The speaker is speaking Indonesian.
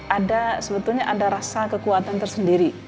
ada sebetulnya ada rasa kekuatan tersendiri